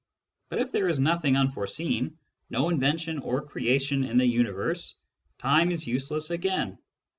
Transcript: But if there is nothing unforeseen, no invention or creation in the universe, time is useless again.